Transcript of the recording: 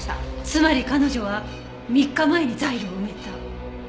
つまり彼女は３日前にザイルを埋めた。